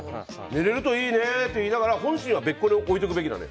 寝れるといいねって言いながら本心は別個に置いておくべきなの。